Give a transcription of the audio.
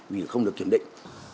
vì không được kiểm định